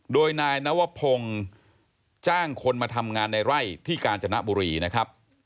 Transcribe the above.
โดยนายนวพงศ์จ้างคนมาทำงานในไร่ที่กาญจนบุรีนะครับ